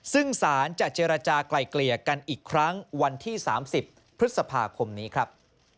ซึ่งสารจะเจรจากลายเกลี่ยกันอีกครั้งวันที่๓๐พฤษภาคมนี้ครับ